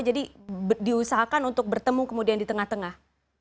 jadi diusahakan untuk bertemu kemudian di tengah tengah